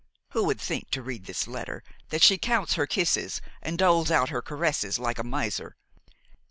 Who would think, to read this letter, that she counts her kisses and doles out her caresses like a miser!"